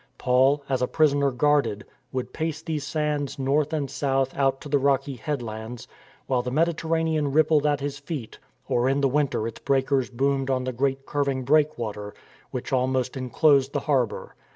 Paul, as a prisoner guarded, would pace these sands north and south out to the rocky headlands, while the Mediter ranean rippled at his feet or in the winter its breakers boomed on the great curving breakwater which almost enclosed the harbour.